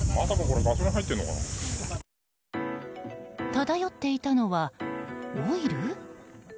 漂っていたのはオイル？